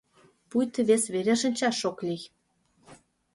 Пуйто вес вере шинчаш ок лий!»